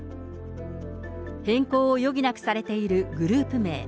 変更を余儀なくされているグループ名。